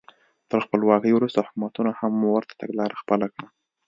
تر خپلواکۍ وروسته حکومتونو هم ورته تګلاره خپله کړه.